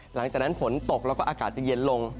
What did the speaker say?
หลังจากนั้นฝนตกแล้วก็อากาศจะเย็นลง